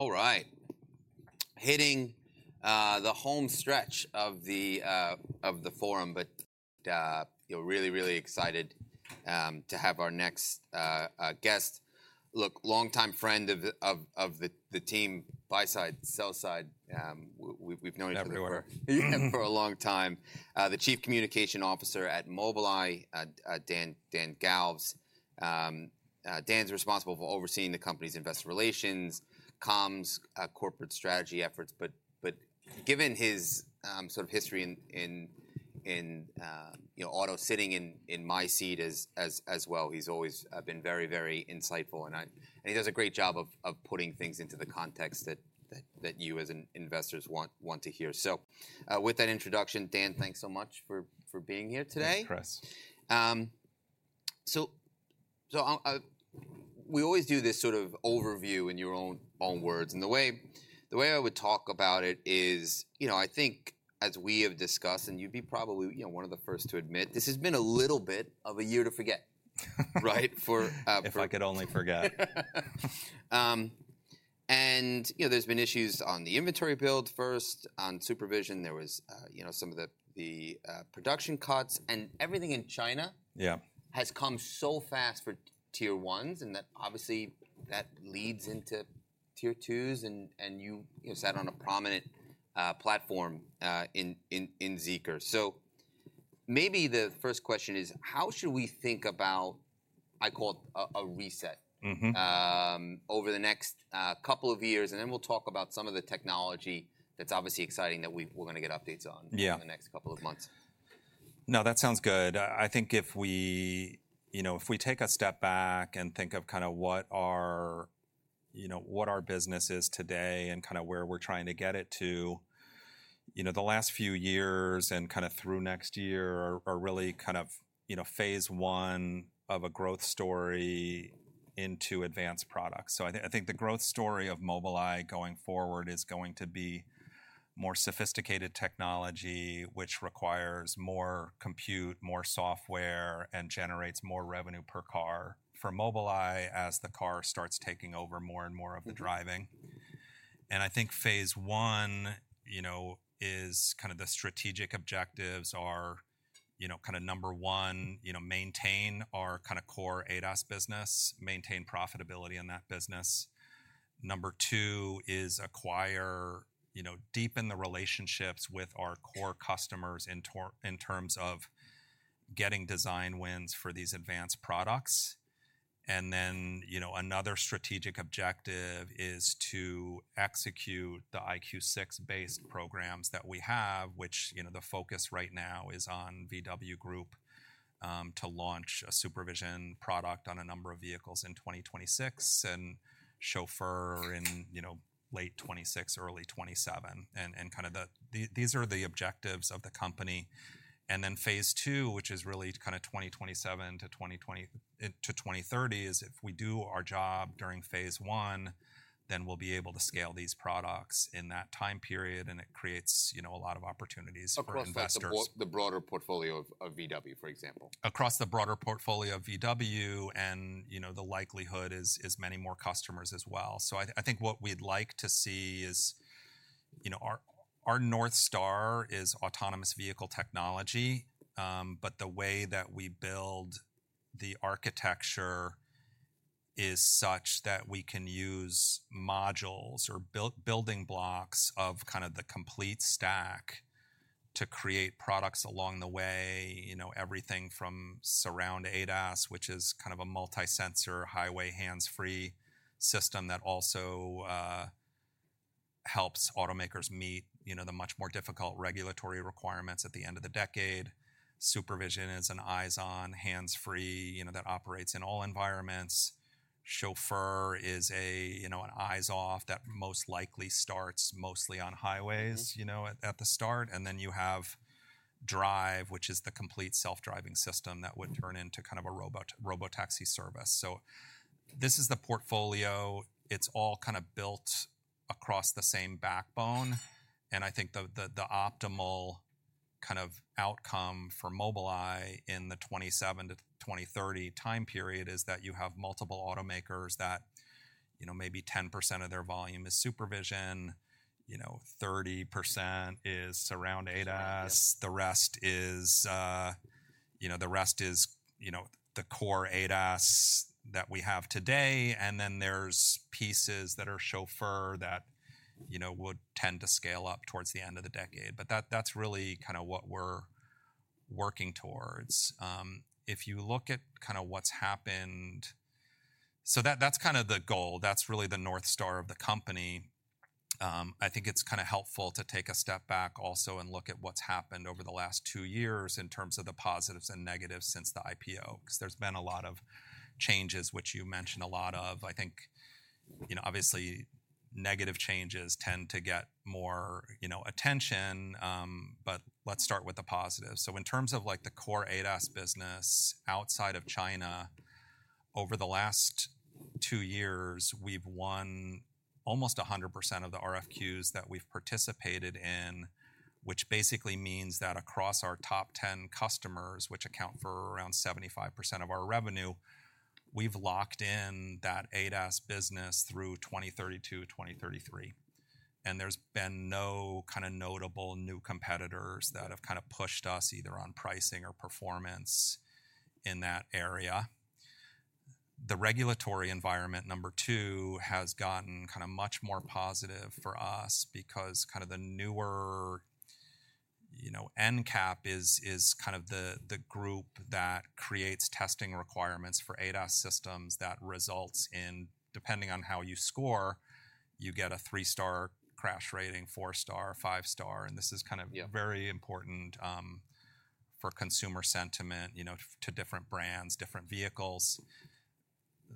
All right. Hitting the home stretch of the forum, but you know, really, really excited to have our next guest. Look, longtime friend of the team, buy side, sell side. We've known each other- Everywhere. for a long time. The Chief Communications Officer at Mobileye, Dan Galves. Dan's responsible for overseeing the company's investor relations, comms, corporate strategy efforts, but given his sort of history in you know auto, sitting in my seat as well, he's always been very insightful, and he does a great job of putting things into the context that you as investors want to hear. So with that introduction, Dan, thanks so much for being here today. Thanks, Chris. We always do this sort of overview in your own words, and the way I would talk about it is, you know, I think as we have discussed, and you'd be probably, you know, one of the first to admit, this has been a little bit of a year to forget. Right? For- If I could only forget. And, you know, there's been issues on the inventory build first, on SuperVision. There was, you know, some of the production cuts, and everything in China. Yeah... has come so fast for Tier 1s, and that obviously that leads into Tier 2s, and you know sat on a prominent platform in Zeekr. So maybe the first question is, how should we think about, I call it a reset- Mm-hmm... over the next couple of years? And then we'll talk about some of the technology that's obviously exciting that we're gonna get updates on- Yeah in the next couple of months. No, that sounds good. I think if we, you know, if we take a step back and think of kinda what our, you know, what our business is today and kinda where we're trying to get it to, you know, the last few years and kinda through next year are really kind of, you know, phase one of a growth story into advanced products. So I think, I think the growth story of Mobileye going forward is going to be more sophisticated technology, which requires more compute, more software, and generates more revenue per car for Mobileye as the car starts taking over more and more of the driving. Mm-hmm. And I think phase one, you know, is kind of the strategic objectives are, you know, kinda number one, you know, maintain our kinda core ADAS business, maintain profitability in that business. Number two is acquire, you know, deepen the relationships with our core customers in terms of getting design wins for these advanced products. And then, you know, another strategic objective is to execute the EyeQ6-based programs that we have, which, you know, the focus right now is on VW Group, to launch a SuperVision product on a number of vehicles in 2026, and Chauffeur in, you know, late 2026, early 2027. And these are the objectives of the company. And then phase two, which is really kinda 2027 to 2030, is if we do our job during phase one, then we'll be able to scale these products in that time period, and it creates, you know, a lot of opportunities for investors. Across the board, the broader portfolio of VW, for example. Across the broader portfolio of VW, and, you know, the likelihood is many more customers as well. So I think what we'd like to see is, you know, our North Star is autonomous vehicle technology, but the way that we build the architecture is such that we can use modules or building blocks of kinda the complete stack to create products along the way. You know, everything from Surround ADAS, which is kind of a multi-sensor, highway, hands-free system that also helps automakers meet, you know, the much more difficult regulatory requirements at the end of the decade. Supervision is an eyes-on, hands-free, you know, that operates in all environments. Chauffeur is a, you know, an eyes-off that most likely starts mostly on highways- Mm-hmm... you know, at the start. And then you have Drive, which is the complete self-driving system- Mm... that would turn into kind of a robot, robotaxi service. So this is the portfolio. It's all kinda built across the same backbone, and I think the optimal kind of outcome for Mobileye in the 2027 to 2030 time period is that you have multiple automakers that, you know, maybe 10% of their volume is SuperVision, you know, 30% is Surround ADAS- Yep... the rest is, you know, the core ADAS that we have today, and then there's pieces that are Chauffeur that, you know, would tend to scale up towards the end of the decade, but that, that's really kinda what we're working towards. If you look at kinda what's happened, so that, that's kind of the goal. That's really the North Star of the company. I think it's kinda helpful to take a step back also and look at what's happened over the last two years in terms of the positives and negatives since the IPO, 'cause there's been a lot of changes, which you mentioned a lot of. I think, you know, obviously, negative changes tend to get more, you know, attention, but let's start with the positives. So in terms of, like, the core ADAS business, outside of China, over the last two years, we've won almost 100% of the RFQs that we've participated in, which basically means that across our top ten customers, which account for around 75% of our revenue, we've locked in that ADAS business through 2032, 2033... and there's been no kind of notable new competitors that have kind of pushed us, either on pricing or performance in that area. The regulatory environment, number two, has gotten kind of much more positive for us because kind of the newer, you know, NCAP is kind of the group that creates testing requirements for ADAS systems that results in, depending on how you score, you get a three-star crash rating, four-star, five-star, and this is kind of- Yeah... very important for consumer sentiment, you know, to different brands, different vehicles.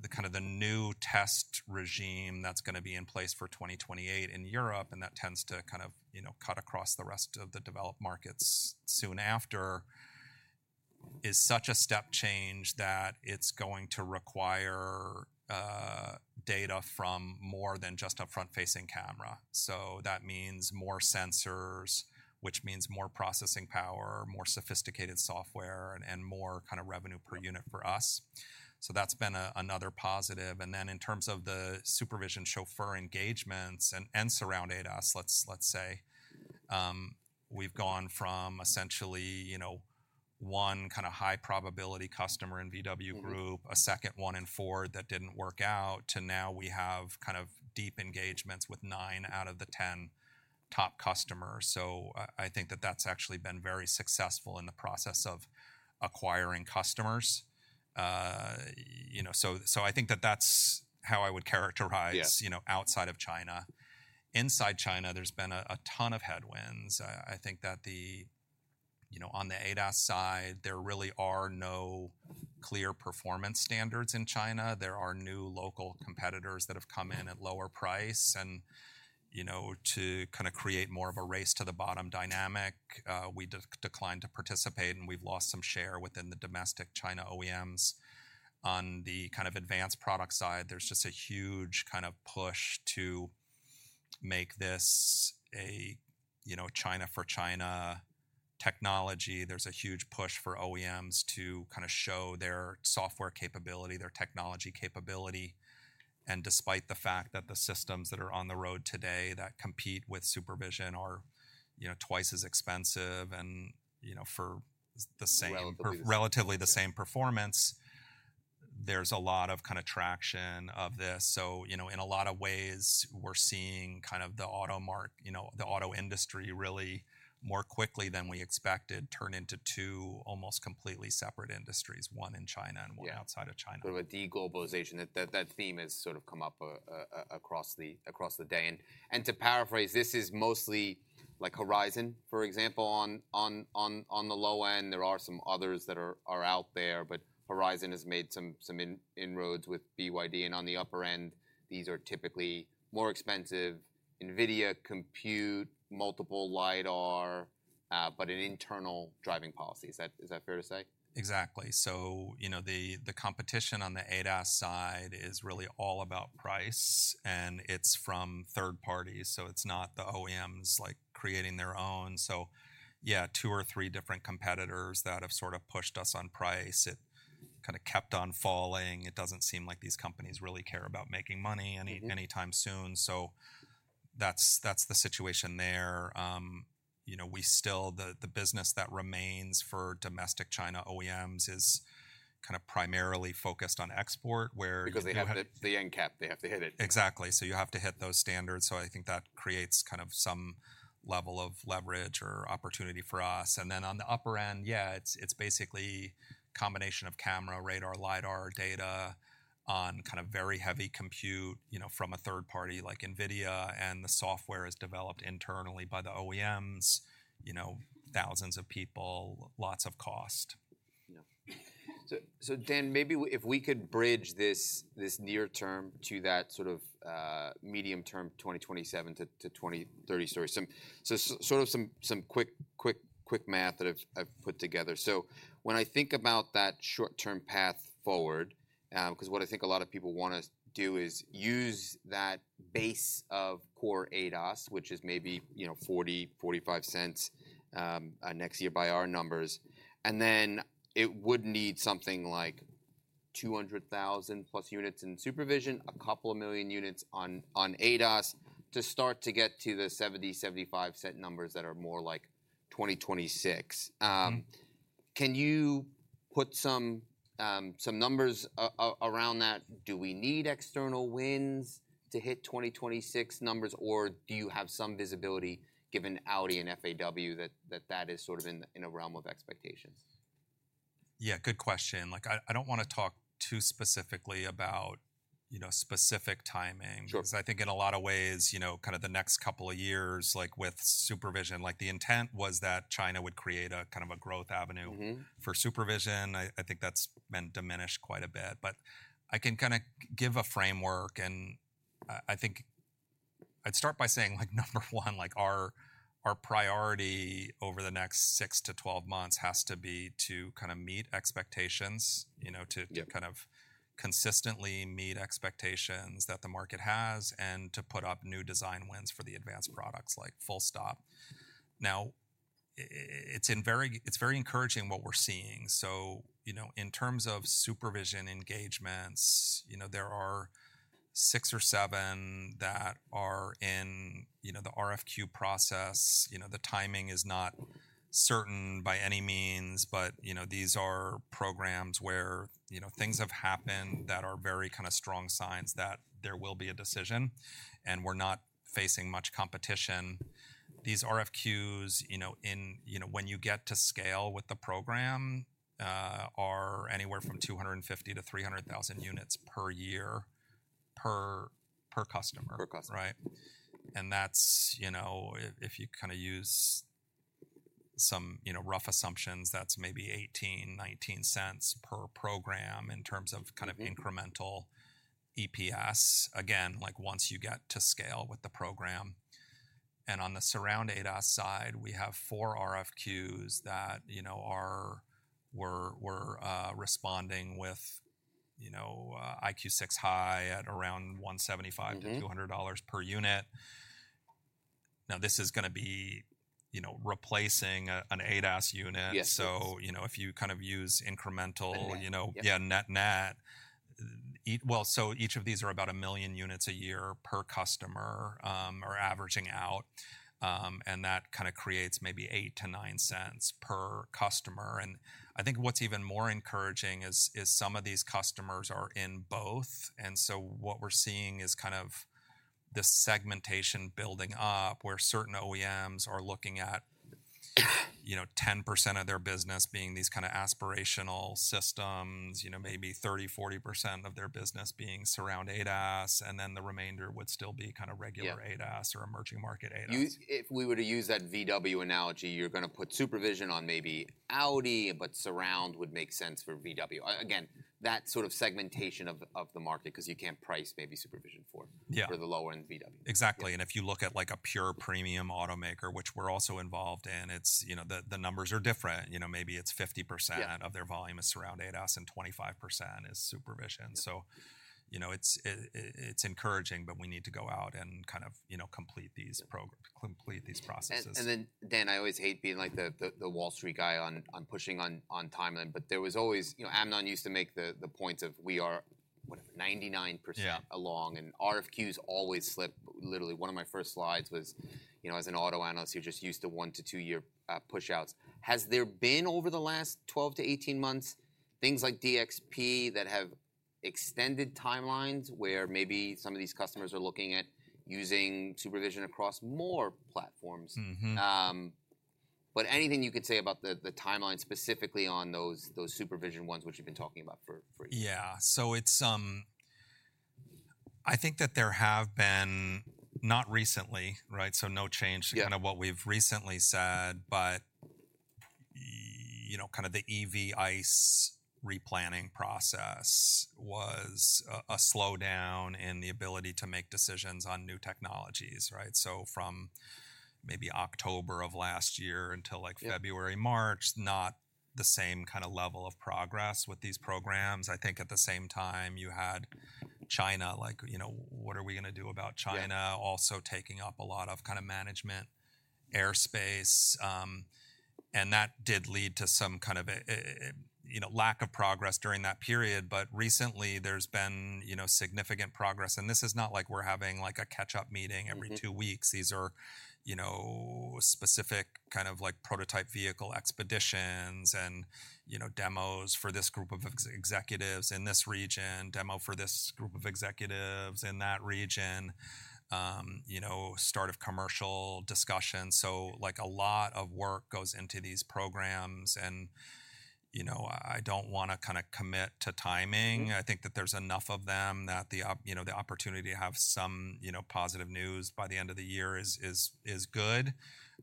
The kind of new test regime that's gonna be in place for 2028 in Europe, and that tends to kind of, you know, cut across the rest of the developed markets soon after, is such a step change that it's going to require data from more than just a front-facing camera. So that means more sensors, which means more processing power, more sophisticated software, and more kind of revenue per unit for us. So that's been another positive. And then in terms of the SuperVision Chauffeur engagements and Surround ADAS, let's say we've gone from essentially, you know, one kind of high-probability customer in VW Group- Mm-hmm... a second one in Ford that didn't work out, to now we have kind of deep engagements with nine out of the ten top customers. So I think that that's actually been very successful in the process of acquiring customers. You know, so I think that that's how I would characterize- Yeah... you know, outside of China. Inside China, there's been a ton of headwinds. I think that, you know, on the ADAS side, there really are no clear performance standards in China. There are new local competitors that have come in at lower price and, you know, to kind of create more of a race-to-the-bottom dynamic. We declined to participate, and we've lost some share within the domestic China OEMs. On the kind of advanced product side, there's just a huge kind of push to make this, you know, China-for-China technology. There's a huge push for OEMs to kind of show their software capability, their technology capability. And despite the fact that the systems that are on the road today that compete with Supervision are, you know, twice as expensive and, you know, for the same- Well, performance... Relatively the same performance, there's a lot of kind of traction of this. So, you know, in a lot of ways, we're seeing kind of the auto market, you know, the auto industry really more quickly than we expected, turn into two almost completely separate industries, one in China- Yeah... and one outside of China. A bit of a de-globalization. That theme has sort of come up across the day. And to paraphrase, this is mostly like Horizon, for example, on the low end. There are some others that are out there, but Horizon has made some inroads with BYD. And on the upper end, these are typically more expensive, NVIDIA Compute, multiple LiDAR, but an internal driving policy. Is that fair to say? Exactly. So, you know, the competition on the ADAS side is really all about price, and it's from third parties, so it's not the OEMs, like, creating their own. So yeah, two or three different competitors that have sort of pushed us on price. It kind of kept on falling. It doesn't seem like these companies really care about making money any- Mm-hmm ...anytime soon. So that's the situation there. You know, we still, the business that remains for domestic China OEMs is kind of primarily focused on export, where you- Because they have the NCAP, they have to hit it. Exactly. So you have to hit those standards, so I think that creates kind of some level of leverage or opportunity for us. And then on the upper end, yeah, it's basically combination of camera, radar, LiDAR data on kind of very heavy compute, you know, from a third party like NVIDIA, and the software is developed internally by the OEMs, you know, thousands of people, lots of cost. Yeah. So, Dan, maybe if we could bridge this near term to that sort of medium term, 2027 to 2030 story. So sort of some quick math that I've put together. So when I think about that short-term path forward, 'cause what I think a lot of people wanna do is use that base of core ADAS, which is maybe, you know, $0.40-$0.45 next year by our numbers, and then it would need something like 200,000+ units in supervision, a couple of million units on ADAS to start to get to the $0.70-$0.75 numbers that are more like 2026. Mm-hmm. Can you put some numbers around that? Do we need external wins to hit 2026 numbers, or do you have some visibility, given Audi and FAW, that is sort of in a realm of expectations? Yeah, good question. Like, I don't wanna talk too specifically about, you know, specific timing. Sure. 'Cause I think in a lot of ways, you know, kind of the next couple of years, like with SuperVision, like, the intent was that China would create a kind of a growth avenue- Mm-hmm... for supervision. I think that's been diminished quite a bit. But I can kind of give a framework, and I think I'd start by saying, like, number one, like, our priority over the next six to 12 months has to be to kind of meet expectations, you know, to- Yep... to kind of consistently meet expectations that the market has, and to put up new design wins for the advanced products, like, full stop. Now, it's very encouraging what we're seeing. So, you know, in terms of supervision engagements, you know, there are six or seven that are in, you know, the RFQ process. You know, the timing is not certain by any means, but, you know, these are programs where, you know, things have happened that are very kind of strong signs that there will be a decision, and we're not facing much competition. These RFQs, you know, when you get to scale with the program, are anywhere from 250-300 thousand units per year, per customer. Per customer. Right? And that's, you know, if you kind of use some, you know, rough assumptions, that's maybe $0.18-$0.19 per program in terms of- Mm-hmm... kind of incremental EPS. Again, like, once you get to scale with the program. And on the Surround ADAS side, we have four RFQs that, you know, are... we're responding with, you know, EyeQ6 High at around $175- Mm-hmm... $200 per unit. Now, this is gonna be, you know, replacing a, an ADAS unit. Yes. So, you know, if you kind of use incremental- And net. You know, yeah, net-net. Well, so each of these are about a million units a year per customer, or averaging out. And that kind of creates maybe $0.08-$0.09 per customer. And I think what's even more encouraging is some of these customers are in both, and so what we're seeing is kind of this segmentation building up, where certain OEMs are looking at, you know, 10% of their business being these kind of aspirational systems, you know, maybe 30%-40% of their business being Surround ADAS, and then the remainder would still be kind of regular- Yeah... ADAS or emerging market ADAS. You, if we were to use that VW analogy, you're gonna put supervision on maybe Audi, but Surround would make sense for VW. Again, that sort of segmentation of the market, 'cause you can't price maybe supervision for- Yeah... for the lower-end VW. Exactly. Yeah. If you look at, like, a pure premium automaker, which we're also involved in, it's, you know, the numbers are different. You know, maybe it's 50%- Yeah... of their volume is Surround ADAS, and 25% is Supervision. Yeah. You know, it's encouraging, but we need to go out and kind of, you know, complete these processes. Then, Dan, I always hate being like the Wall Street guy on pushing on timeline, but there was always... You know, Amnon used to make the point of, we are what, 99%- Yeah... along, and RFQs always slip. Literally, one of my first slides was, you know, as an auto analyst, you're just used to one- to two-year push-outs. Has there been, over the last twelve to eighteen months, things like DXP that have extended timelines, where maybe some of these customers are looking at using supervision across more platforms? Mm-hmm. But anything you could say about the timeline, specifically on those SuperVision ones which you've been talking about for years? Yeah. So it's, I think that there have been, not recently, right, so no change- Yeah... to kind of what we've recently said, but, you know, kind of the EV/ICE replanning process was a slowdown in the ability to make decisions on new technologies, right? So from maybe October of last year until, like- Yeah... February, March, not the same kind of level of progress with these programs. I think at the same time, you had China, like, you know, what are we gonna do about China? Yeah. Also taking up a lot of kind of management airspace. And that did lead to some kind of a you know lack of progress during that period. But recently there's been you know significant progress, and this is not like we're having like a catch-up meeting every two weeks. Mm-hmm. These are, you know, specific kind of, like, prototype vehicle expeditions and, you know, demos for this group of executives in this region, demo for this group of executives in that region. You know, start of commercial discussions. So, like, a lot of work goes into these programs, and, you know, I don't wanna kind of commit to timing. Mm-hmm. I think that there's enough of them that the you know, the opportunity to have some, you know, positive news by the end of the year is good.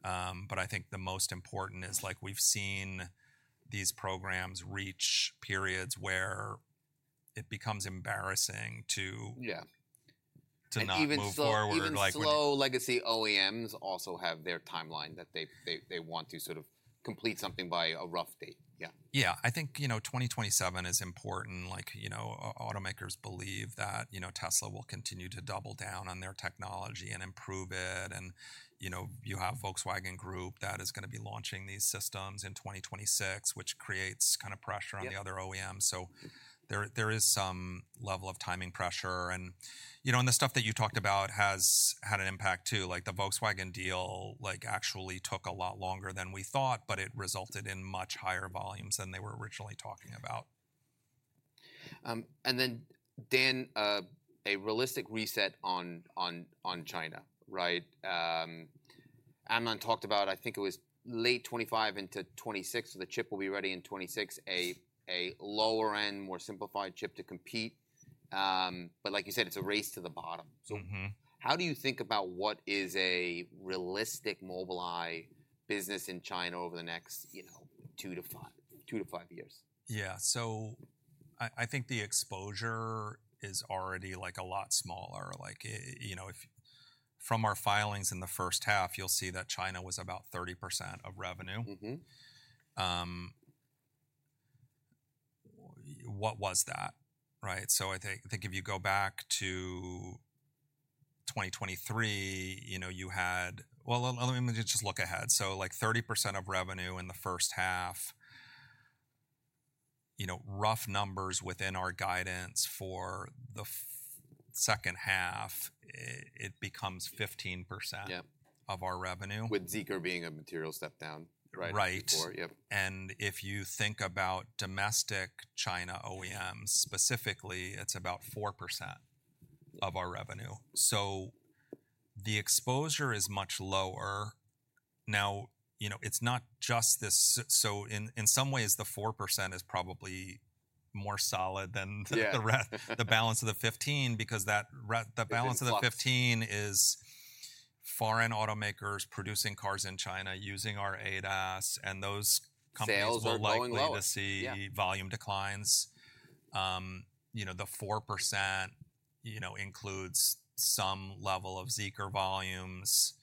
But I think the most important is, like, we've seen these programs reach periods where it becomes embarrassing to- Yeah... to not move forward. And even slow- Like, when- Even slow legacy OEMs also have their timeline that they want to sort of complete something by a rough date, yeah. Yeah. I think, you know, 2027 is important. Like, you know, automakers believe that, you know, Tesla will continue to double down on their technology and improve it. And, you know, you have Volkswagen Group, that is gonna be launching these systems in 2026, which creates kind of pressure on the other- Yep... OEMs. So there is some level of timing pressure, and, you know, and the stuff that you talked about has had an impact, too. Like, the Volkswagen deal, like, actually took a lot longer than we thought, but it resulted in much higher volumes than they were originally talking about. And then, Dan, a realistic reset on China, right? Amnon talked about, I think it was late 2025 into 2026, so the chip will be ready in 2026, a lower-end, more simplified chip to compete. But like you said, it's a race to the bottom. Mm-hmm. So how do you think about what is a realistic Mobileye business in China over the next, you know, two to five, two to five years? Yeah. So I think the exposure is already, like, a lot smaller. Like, you know, from our filings in the first half, you'll see that China was about 30% of revenue. Mm-hmm. ... what was that, right? So I think if you go back to 2023, you know, you had, well, let me just look ahead. So, like, 30% of revenue in the first half, you know, rough numbers within our guidance for the second half, it becomes 15%- Yeah. of our revenue. With Zeekr being a material step-down, right? Right. Before. Yep. If you think about domestic China OEMs, specifically, it's about 4% of our revenue. The exposure is much lower. Now, you know, it's not just this, so in some ways, the 4% is probably more solid than the re- Yeah.... the balance of the fifteen, because that re- It gets blocked. The balance of the 15 is foreign automakers producing cars in China, using our ADAS, and those companies- Sales are going lower. are likely to see. Yeah... volume declines. You know, the 4% includes some level of Zeekr volumes,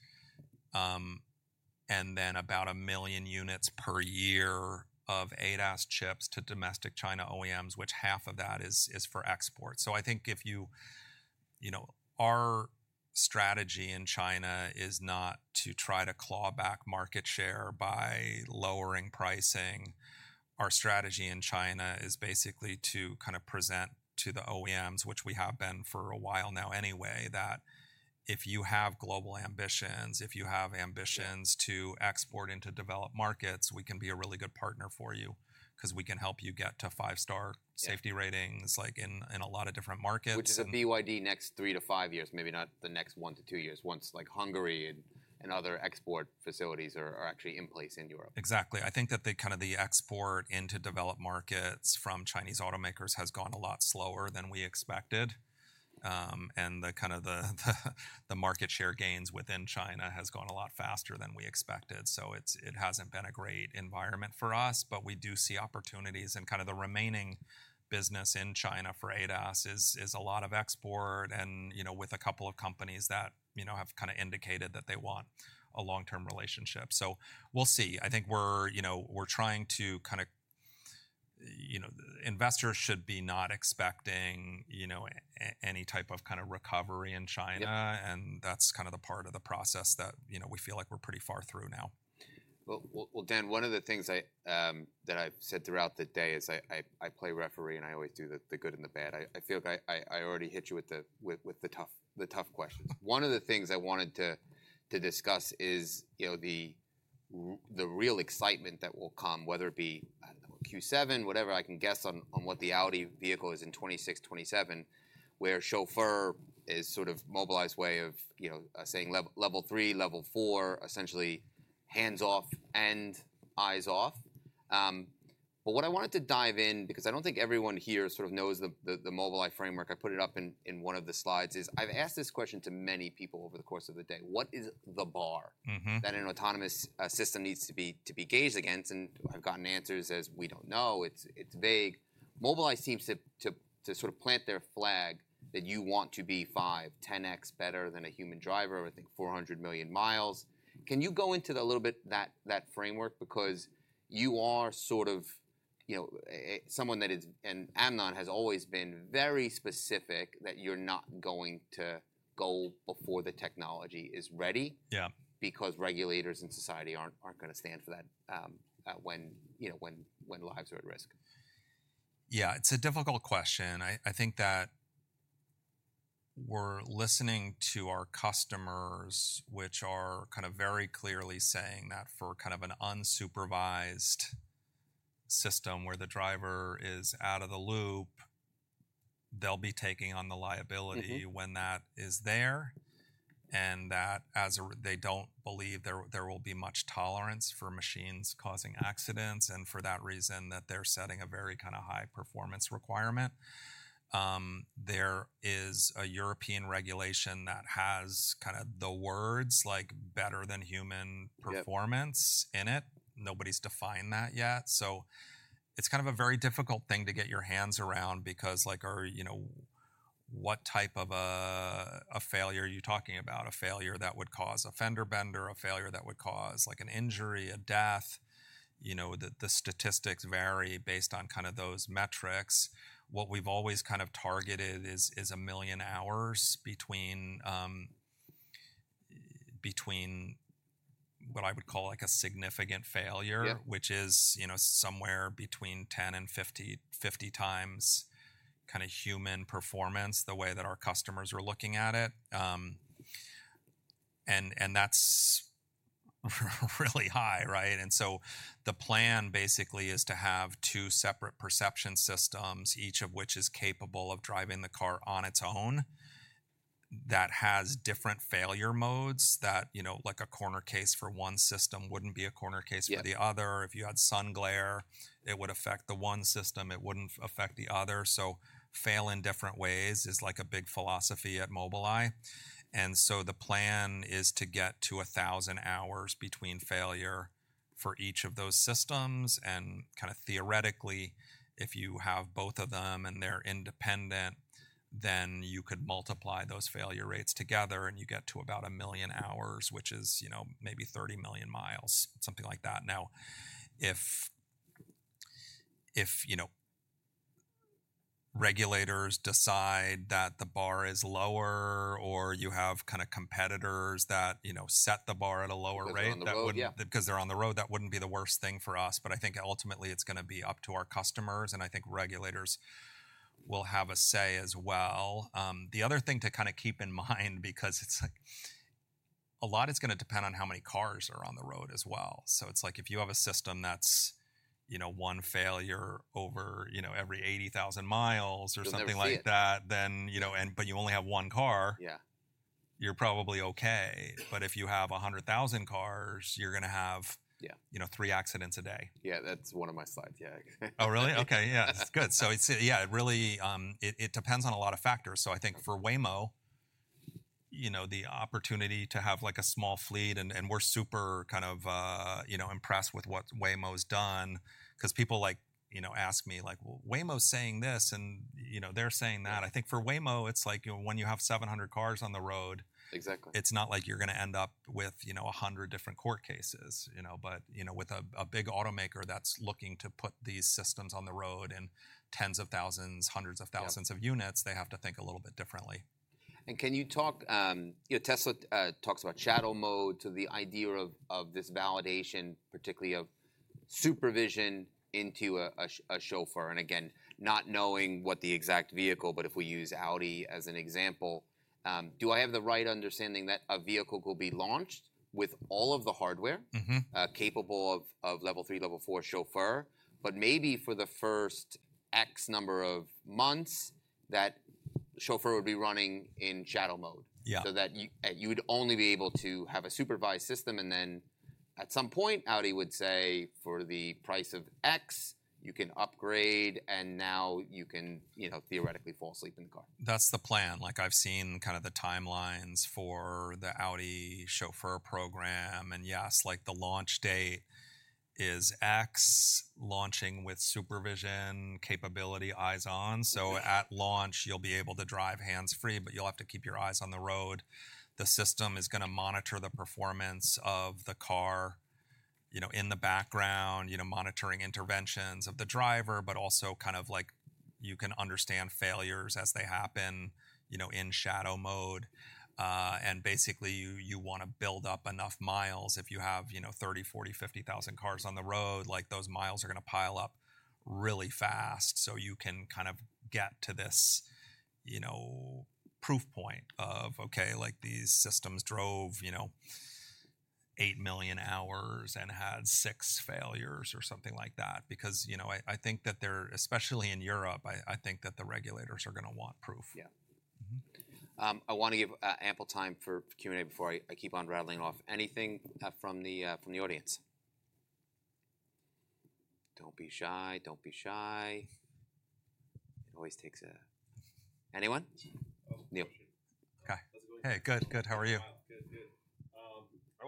and then about 1 million units per year of ADAS chips to domestic China OEMs, of which 500,000 are for export. So I think if you, you know, our strategy in China is not to try to claw back market share by lowering pricing. Our strategy in China is basically to kind of present to the OEMs, which we have been for a while now anyway, that if you have global ambitions, if you have ambitions to export into developed markets, we can be a really good partner for you, 'cause we can help you get to five-star- Yeah... safety ratings, like, in a lot of different markets. Which is a BYD next three to five years, maybe not the next one to two years, once, like, Hungary and other export facilities are actually in place in Europe. Exactly. I think that the kind of the export into developed markets from Chinese automakers has gone a lot slower than we expected. And the kind of the market share gains within China has gone a lot faster than we expected, so it's, it hasn't been a great environment for us. But we do see opportunities, and kind of the remaining business in China for ADAS is a lot of export and, you know, with a couple of companies that, you know, have kind of indicated that they want a long-term relationship. So we'll see. I think we're, you know, we're trying to kind of you know, investors should be not expecting, you know, any type of kind of recovery in China. Yep. And that's kind of the part of the process that, you know, we feel like we're pretty far through now. Well, well, well, Dan, one of the things that I've said throughout the day is I play referee, and I always do the good and the bad. I feel like I already hit you with the tough questions. One of the things I wanted to discuss is, you know, the real excitement that will come, whether it be Q7, whatever, I can guess on what the Audi vehicle is in 2026, 2027, where Chauffeur is sort of Mobileye's way of, you know, saying Level 3, Level 4, essentially hands-off and eyes-off. But what I wanted to dive in, because I don't think everyone here sort of knows the Mobileye framework, I put it up in one of the slides, is I've asked this question to many people over the course of the day: What is the bar- Mm-hmm... that an autonomous system needs to be gauged against? And I've gotten answers as, "We don't know. It's vague." Mobileye seems to sort of plant their flag that you want to be five, 10X better than a human driver over, I think, 400 million miles. Can you go into a little bit that framework? Because you are sort of, you know, someone that is, and Amnon has always been very specific that you're not going to go before the technology is ready- Yeah... because regulators in society aren't gonna stand for that, you know, when lives are at risk. Yeah, it's a difficult question. I, I think that we're listening to our customers, which are kind of very clearly saying that for kind of an unsupervised system where the driver is out of the loop, they'll be taking on the liability- Mm-hmm... when that is there, and that they don't believe there will be much tolerance for machines causing accidents, and for that reason, that they're setting a very kind of high performance requirement. There is a European regulation that has kind of the words, like, "better than human performance. Yeah... in it. Nobody's defined that yet, so it's kind of a very difficult thing to get your hands around because, like, or, you know, what type of a failure are you talking about? A failure that would cause a fender bender, a failure that would cause, like, an injury, a death? You know, the statistics vary based on kind of those metrics. What we've always kind of targeted is a million hours between what I would call, like, a significant failure- Yeah... which is, you know, somewhere between 10 and 50 times kind of human performance, the way that our customers are looking at it. And that's really high, right? So the plan, basically, is to have two separate perception systems, each of which is capable of driving the car on its own, that has different failure modes that, you know, like a corner case for one system wouldn't be a corner case for the other. Yeah. If you had sun glare, it would affect the one system, it wouldn't affect the other, so fail in different ways is, like, a big philosophy at Mobileye, and so the plan is to get to 1,000 hours between failure for each of those systems, and kind of theoretically, if you have both of them independent, then you could multiply those failure rates together, and you get to about 1 million hours, which is, you know, maybe 30 million miles, something like that. Now, if you know, regulators decide that the bar is lower, or you have kind of competitors that, you know, set the bar at a lower rate. 'Cause they're on the road, yeah. That would, because they're on the road, that wouldn't be the worst thing for us. But I think ultimately it's gonna be up to our customers, and I think regulators will have a say as well. The other thing to kind of keep in mind, because it's like a lot is gonna depend on how many cars are on the road as well. So it's like if you have a system that's, you know, one failure over, you know, every eighty thousand miles or- You'll never see it.... something like that, then, you know, and but you only have one car- Yeah... you're probably okay. But if you have a hundred thousand cars, you're gonna have- Yeah... you know, three accidents a day. Yeah, that's one of my slides. Yeah. Oh, really? Okay, yeah. That's good. So it's, yeah, it really, it depends on a lot of factors. So I think for Waymo, you know, the opportunity to have, like, a small fleet and we're super kind of, you know, impressed with what Waymo's done. 'Cause people like, you know, ask me like: "Well, Waymo's saying this, and, you know, they're saying that." I think for Waymo, it's like, you know, when you have 700 cars on the road- Exactly... it's not like you're gonna end up with, you know, a hundred different court cases, you know? But, you know, with a big automaker that's looking to put these systems on the road and tens of thousands, hundreds of thousands- Yeah... of units, they have to think a little bit differently. Can you talk? You know, Tesla talks about Shadow Mode to the idea of this validation, particularly of Supervision into a Chauffeur. Again, not knowing what the exact vehicle, but if we use Audi as an example, do I have the right understanding that a vehicle will be launched with all of the hardware? Mm-hmm. Capable of Level 3, Level 4 Chauffeur, but maybe for the first X number of months, that Chauffeur would be running in Shadow Mode? Yeah. So that you, you'd only be able to have a supervised system, and then at some point, Audi would say, "For the price of X, you can upgrade, and now you can, you know, theoretically fall asleep in the car. That's the plan. Like, I've seen kind of the timelines for the Audi Chauffeur program, and yes, like, the launch date is X, launching with Supervision capability, eyes on. Mm-hmm. So at launch, you'll be able to drive hands-free, but you'll have to keep your eyes on the road. The system is gonna monitor the performance of the car, you know, in the background, you know, monitoring interventions of the driver, but also kind of like, you can understand failures as they happen, you know, in Shadow Mode, and basically, you wanna build up enough miles. If you have, you know, 30, 40, 50 thousand cars on the road, like, those miles are gonna pile up really fast, so you can kind of get to this, you know, proof point of, okay, like, these systems drove, you know, 8 million hours and had six failures, or something like that. Because, you know, I think that they're... Especially in Europe, I think that the regulators are gonna want proof. Yeah. Mm-hmm. I wanna give ample time for Q&A before I keep on rattling off. Anything from the audience? Don't be shy, don't be shy. It always takes a... Anyone? Neil. Hi. How's it going? Hey, good, good. How are you?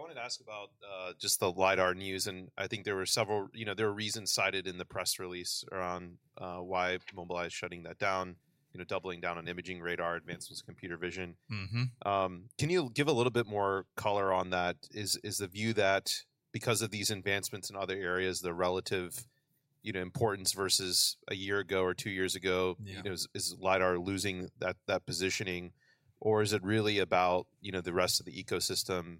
Good, good. I wanted to ask about just the LiDAR news, and I think there were several, you know, reasons cited in the press release around why Mobileye is shutting that down, you know, doubling down on Imaging Radar, advancements computer vision. Mm-hmm. Can you give a little bit more color on that? Is the view that because of these advancements in other areas, the relative, you know, importance versus a year ago or two years ago- Yeah... is LiDAR losing that positioning? Or is it really about, you know, the rest of the ecosystem,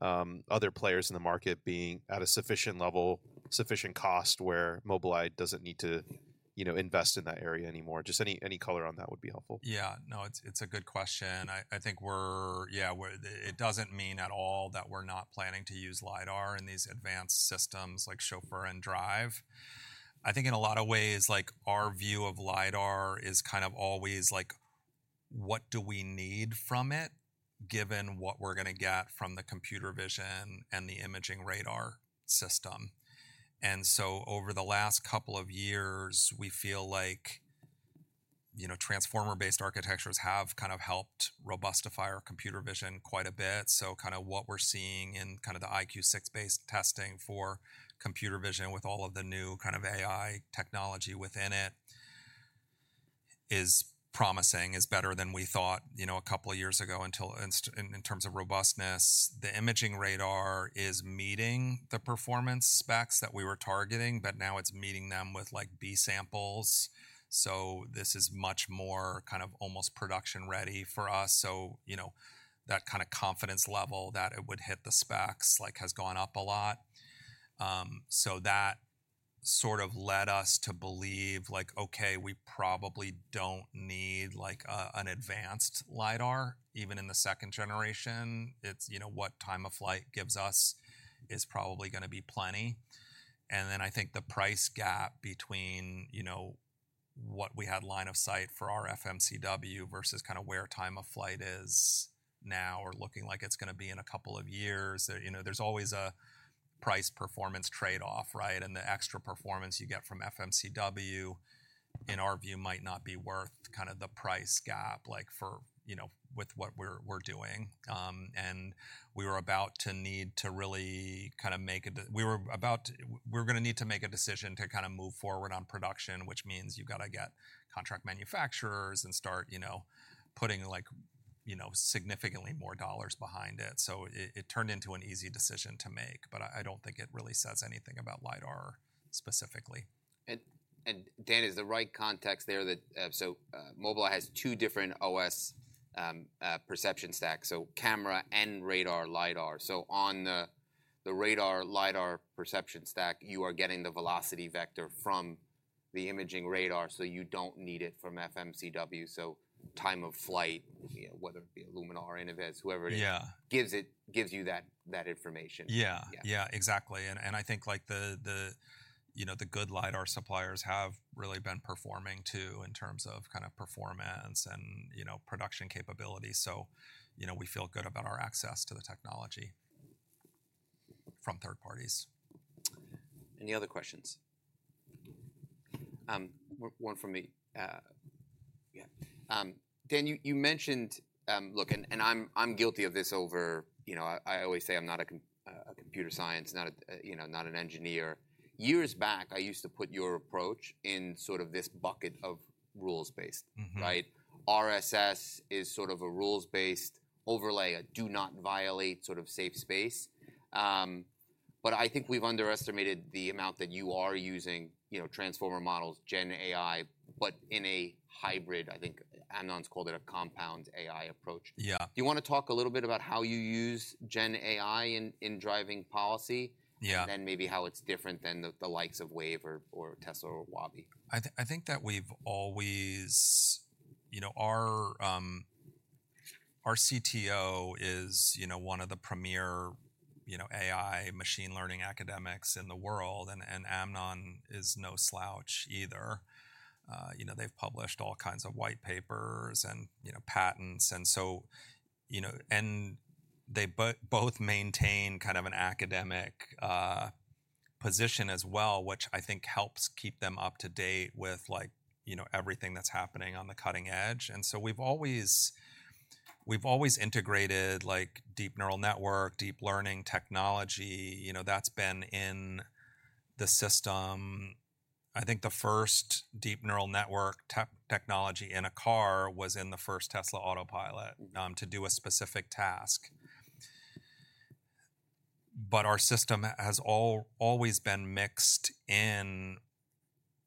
other players in the market being at a sufficient level, sufficient cost, where Mobileye doesn't need to, you know, invest in that area anymore? Just any color on that would be helpful. Yeah. No, it's a good question. I think we're... Yeah, it doesn't mean at all that we're not planning to use LiDAR in these advanced systems like Chauffeur and Drive. I think in a lot of ways, like, our view of LiDAR is kind of always like, what do we need from it, given what we're gonna get from the computer vision and the imaging radar system? And so over the last couple of years, we feel like, you know, Transformer-based architectures have kind of helped robustify our computer vision quite a bit. So kinda what we're seeing in kinda the EyeQ6-based testing for computer vision, with all of the new kind of AI technology within it, is sort of led us to believe, like, okay, we probably don't need, like, an advanced LiDAR, even in the second generation. It's, you know, what time of flight gives us is probably gonna be plenty. And then I think the price gap between, you know, what we had line of sight for our FMCW versus kind of where time of flight is now or looking like it's gonna be in a couple of years, you know, there's always a price-performance trade-off, right? The extra performance you get from FMCW, in our view, might not be worth kind of the price gap, like, for, you know, with what we're doing. We were about to need to really kind of make a decision to kind of move forward on production, which means you've gotta get contract manufacturers and start, you know, putting, like, you know, significantly more dollars behind it. It turned into an easy decision to make, but I don't think it really says anything about LiDAR specifically. Dan, is the right context there that Mobileye has two different OS perception stacks, so camera and radar, LiDAR. So on the radar LiDAR perception stack, you are getting the velocity vector from the imaging radar, so you don't need it from FMCW. So time of flight, you know, whether it be Luminar or Innoviz, whoever it is- Yeah... gives you that information. Yeah. Yeah. Yeah, exactly. And I think, like, the you know, the good LiDAR suppliers have really been performing, too, in terms of kind of performance and, you know, production capability. So, you know, we feel good about our access to the technology from third parties. Any other questions? One from me. Yeah. Dan, you mentioned... Look, and I'm guilty of this over, you know. I always say I'm not a computer science, not a, you know, not an engineer. Years back, I used to put your approach in sort of this bucket of rules-based. Mm-hmm. Right? RSS is sort of a rules-based overlay, a do-not-violate sort of safe space. But I think we've underestimated the amount that you are using, you know, transformer models, gen AI, but in a hybrid, I think Amnon's called it a compound AI approach. Yeah. Do you wanna talk a little bit about how you use gen AI in driving policy? Yeah. Then maybe how it's different than the likes of Wayve or Tesla or Waabi. I think that we've always, you know, our CTO is, you know, one of the premier, you know, AI machine learning academics in the world, and Amnon is no slouch either. You know, they've published all kinds of white papers and, you know, patents and so, you know, and they both maintain kind of an academic position as well, which I think helps keep them up to date with, like, you know, everything that's happening on the cutting edge. And so we've always integrated, like, deep neural network, deep learning technology, you know, that's been in the system. I think the first deep neural network technology in a car was in the first Tesla Autopilot- Mm-hmm. to do a specific task. But our system has always been mixed in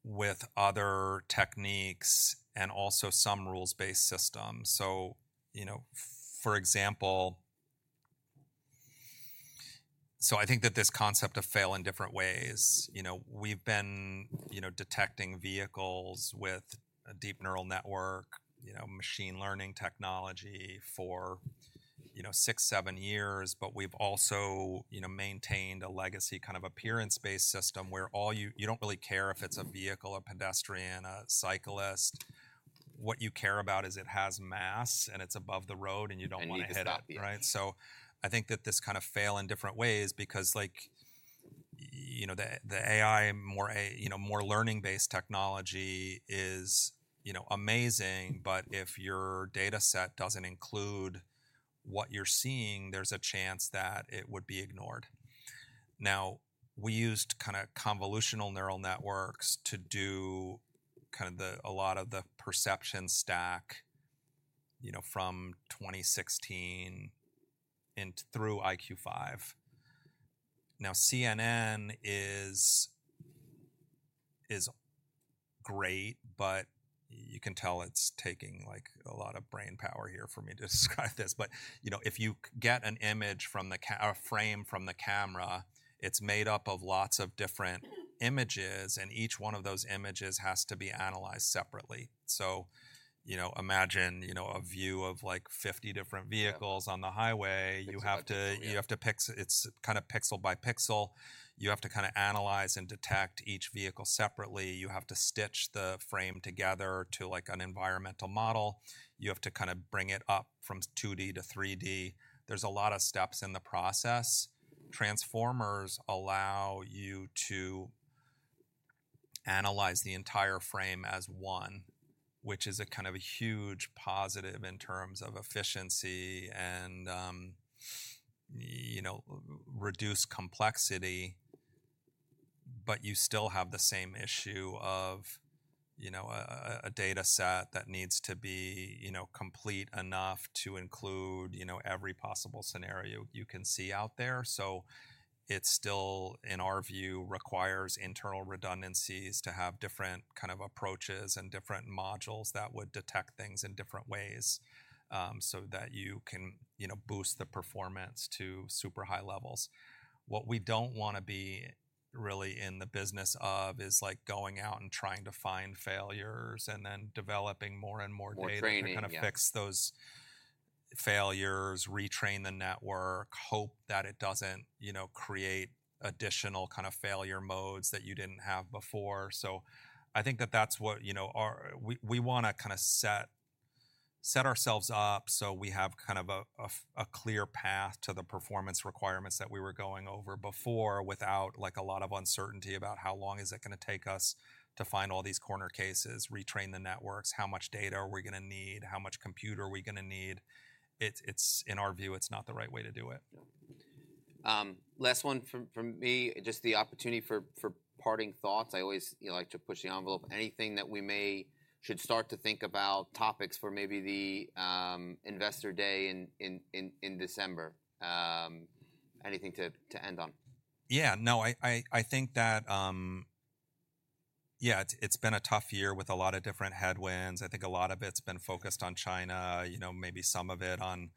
with other techniques and also some rules-based systems. So, you know, for example... So I think that this concept of fail in different ways, you know, we've been, you know, detecting vehicles with a deep neural network, you know, machine learning technology for, you know, six, seven years. But we've also, you know, maintained a legacy kind of appearance-based system where all you... You don't really care if it's a vehicle, a pedestrian, a cyclist. What you care about is it has mass, and it's above the road, and you don't wanna hit it. You can stop it. Right? So I think that this kind of fail in different ways because, like, you know, the AI more of a, you know, more learning-based technology is, you know, amazing, but if your data set doesn't include what you're seeing, there's a chance that it would be ignored. Now, we used kinda convolutional neural networks to do kind of the, a lot of the perception stack, you know, from 2016 and through EyeQ5. Now, CNN is great, but you can tell it's taking, like, a lot of brain power here for me to describe this. But, you know, if you get an image from the camera, a frame from the camera, it's made up of lots of different images, and each one of those images has to be analyzed separately. So, you know, imagine, you know, a view of, like, 50 different vehicles- Yep... on the highway. Pixel by pixel, yeah. You have to. It's kind of pixel by pixel. You have to kinda analyze and detect each vehicle separately. You have to stitch the frame together to, like, an environmental model. You have to kind of bring it up from 2D to 3D. There's a lot of steps in the process. Transformers allow you to analyze the entire frame as one, which is a kind of huge positive in terms of efficiency and, you know, reduced complexity. But you still have the same issue of, you know, a data set that needs to be, you know, complete enough to include, you know, every possible scenario you can see out there. So it still, in our view, requires internal redundancies to have different kind of approaches and different modules that would detect things in different ways, so that you can, you know, boost the performance to super high levels. What we don't wanna be really in the business of is, like, going out and trying to find failures, and then developing more and more data- More training, yeah.... to kind of fix those failures, retrain the network, hope that it doesn't, you know, create additional kind of failure modes that you didn't have before. So I think that that's what, you know, our... We wanna kind of set ourselves up so we have kind of a clear path to the performance requirements that we were going over before, without, like, a lot of uncertainty about how long is it gonna take us to find all these corner cases, retrain the networks? How much data are we gonna need? How much compute are we gonna need? It's... In our view, it's not the right way to do it. Yeah. Last one from me, just the opportunity for parting thoughts. I always, you know, like to push the envelope. Anything that we may should start to think about, topics for maybe the investor day in December? Anything to end on. Yeah, no, I think that. Yeah, it's been a tough year with a lot of different headwinds. I think a lot of it's been focused on China, you know, maybe some of it on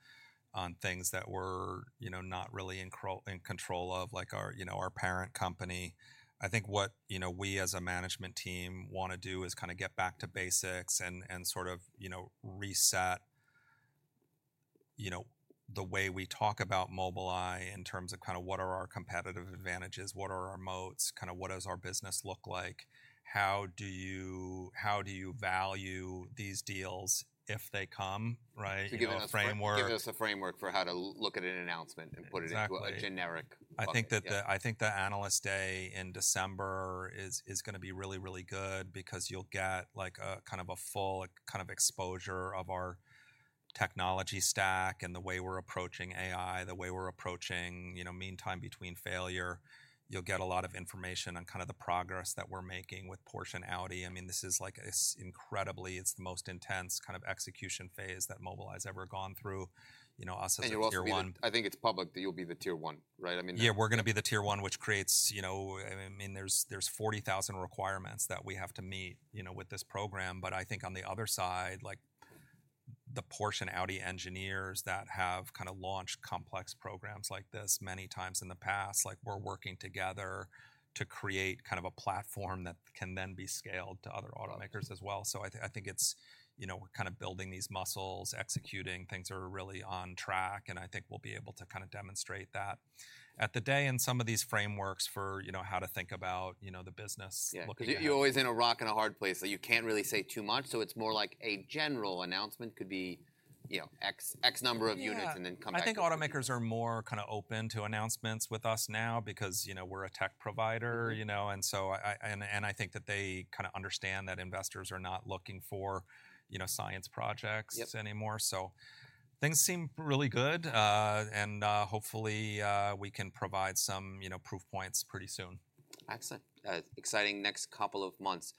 things that we're, you know, not really in control of, like our, you know, our parent company. I think what, you know, we as a management team wanna do is kind of get back to basics and sort of, you know, reset, you know, the way we talk about Mobileye in terms of kind of what are our competitive advantages, what are our moats? Kind of what does our business look like? How do you value these deals if they come, right? To give us a frame- The framework. Give us a framework for how to look at an announcement and put it into- Exactly... a generic bucket. I think that the- Yeah. I think the analyst day in December is gonna be really, really good because you'll get, like, a kind of a full, like, kind of exposure of our technology stack and the way we're approaching AI, the way we're approaching, you know, mean time between failure. You'll get a lot of information on kind of the progress that we're making with Porsche and Audi. I mean, this is like, it's incredibly... It's the most intense kind of execution phase that Mobileye's ever gone through, you know, us as a Tier 1. And you'll also be the... I think it's public that you'll be the Tier 1, right? I mean- Yeah, we're gonna be the Tier 1, which creates, you know... I mean, there's 40,000 requirements that we have to meet, you know, with this program. But I think on the other side, like, the Porsche and Audi engineers that have kind of launched complex programs like this many times in the past, like, we're working together to create kind of a platform that can then be scaled to other automakers as well. Okay. So I think it's, you know, we're kind of building these muscles, executing, things are really on track, and I think we'll be able to kind of demonstrate that at the day. And some of these frameworks for, you know, how to think about, you know, the business- Yeah... looking ahead. You're always in a rock and a hard place, so you can't really say too much. So it's more like a general announcement. Could be, you know, X, X number of units- Yeah... and then come back. I think automakers are more kind of open to announcements with us now because, you know, we're a tech provider- Mm-hmm. you know, and so I think that they kind of understand that investors are not looking for, you know, science projects- Yep... anymore. So things seem really good. And hopefully we can provide some, you know, proof points pretty soon. Excellent. Exciting next couple of months.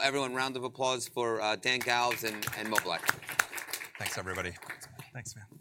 Everyone, round of applause for Dan Galves and Mobileye. Thanks, everybody. Thanks, man.